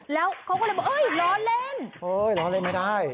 แล้วเขาก็เลยบอกเอ้ยล้อเล่นล้อเล่นไม่ได้